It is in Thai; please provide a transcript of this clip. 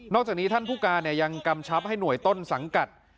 จากนี้ท่านผู้การยังกำชับให้หน่วยต้นสังกัด